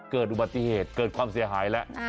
เกิดอุบัติเหตุเกิดความเสียหายแล้ว